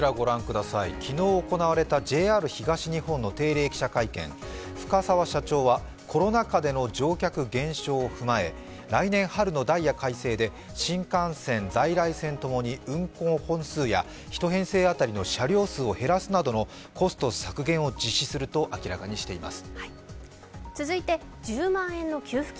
昨日行われたＪＲ東日本の定例記者会見、コロナ禍での乗客減少を踏まえて来年春のダイヤ改正で新幹線・在来線共に運行本数は１編成当たりの車両数を減らすなどコスト削減を実施すると明らかにしています。